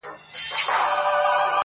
خو تر مرګه یې دا لوی شرم په ځان سو٫